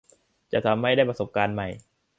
จะทำให้ได้ประสบการณ์ใหม่